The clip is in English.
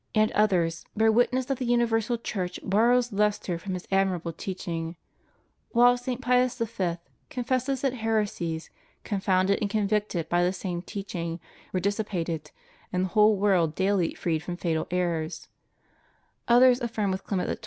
and others bear witness that the universal Church borrows lustre from his admirable teaching; while St. Pius v.* confesses that heresies, confounded and con victed by the same teaching, were dissipated, and the whole world daily freed from fatal errors; others affirm with Clement XII.